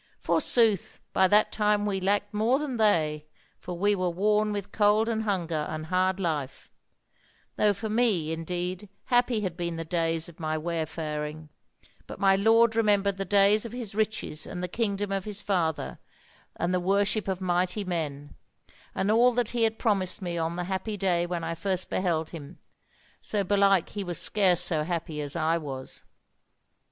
Forsooth, by that time we lacked more than they, for we were worn with cold and hunger, and hard life: though for me, indeed, happy had been the days of my wayfaring, but my lord remembered the days of his riches and the kingdom of his father, and the worship of mighty men, and all that he had promised me on the happy day when I first beheld him: so belike he was scarce so happy as I was.